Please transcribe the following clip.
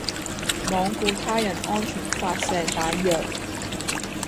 罔顧他人安全發射彈藥